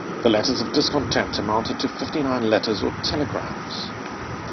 The letters of discontent amounted to fifty-nine letters or telegrams.